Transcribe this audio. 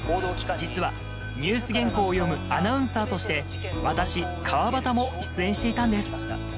実はニュース原稿を読むアナウンサーとして私川畑も出演していたんです